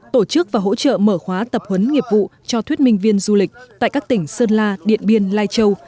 tổ chức và hỗ trợ mở khóa tập huấn nghiệp vụ cho thuyết minh viên du lịch tại các tỉnh sơn la điện biên lai châu